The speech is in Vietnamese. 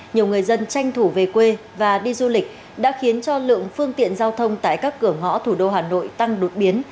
nhiều người dân tranh thủ về quê và đi du lịch đã khiến cho lượng phương tiện giao thông tại các cửa ngõ thủ đô hà nội tăng đột biến